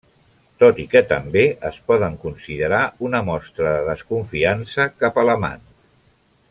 Tot i que també es poden considerar una mostra de desconfiança cap a l'amant.